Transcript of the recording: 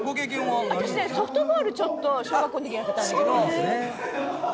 あたしねソフトボールちょっと小学校の時やってたんだけど。